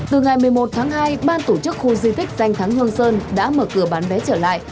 từ ngày một mươi một tháng hai ban tổ chức khu di tích danh thắng hương sơn đã mở cửa bán vé trở lại